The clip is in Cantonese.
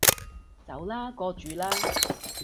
走啦，過主啦